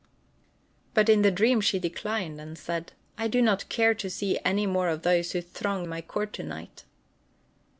But in the dream she declined, and said: "I do not care to see any more of those who throng my court to night."